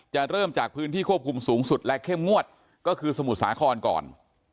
เริ่มจากพื้นที่ควบคุมสูงสุดและเข้มงวดก็คือสมุทรสาครก่อน